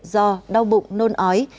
do đau bụng nôn ói